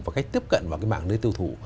và cách tiếp cận vào cái mạng nơi tiêu thụ